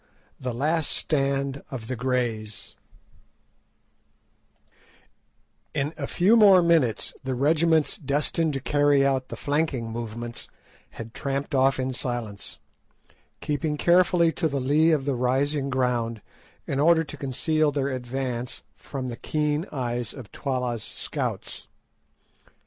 THE LAST STAND OF THE GREYS In a few more minutes the regiments destined to carry out the flanking movements had tramped off in silence, keeping carefully to the lee of the rising ground in order to conceal their advance from the keen eyes of Twala's scouts.